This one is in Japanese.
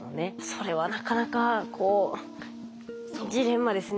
それはなかなかこうジレンマですね。